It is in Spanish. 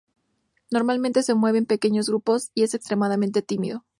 Normalmente se mueve en pequeños grupos y es extremadamente tímido.